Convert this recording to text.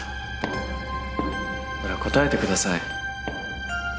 ほら答えてください。